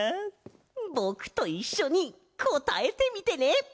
ぼくといっしょにこたえてみてね！